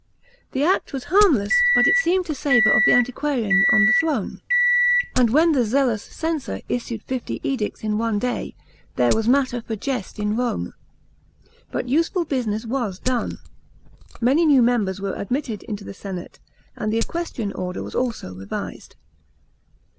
The act was harmless, but it seemed to savour of the antiquarian on the throne, and when the zealous censor issued fifty edicts in one day, there was matter for jest in Rome. But useful business was done. Many new members were admitted into the senate, and the equestrian order was also revised.